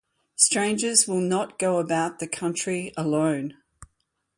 Strangers will not go about the country alone.